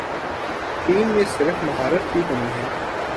Team میں صرف مہارت کی کمی ہے ۔